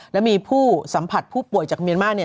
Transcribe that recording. และมีผู้สัมผัสผู้ป่วยจากเมียนมาร์